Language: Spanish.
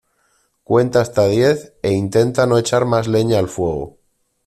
Cuenta hasta diez e intenta no echar más leña al fuego.